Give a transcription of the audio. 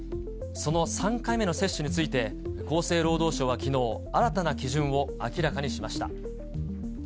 その３回目の接種について、厚生労働省はきのう、新たな基準を明らかにしました。